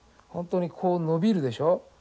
本当にこう伸びるでしょ。